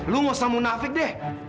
kamu tidak perlu munafik deh